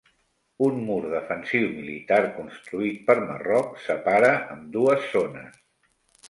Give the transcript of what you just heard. Un mur defensiu militar construït per Marroc separa ambdues zones.